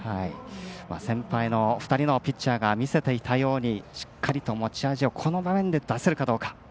先輩の２人のピッチャーが見せていたようにしっかりと、持ち味をこの場面で出せるかどうか。